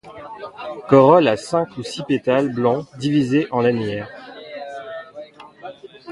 Corolle à cinq ou six pétales blancs divisés en lanières.